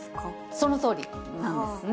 そのとおりなんですね。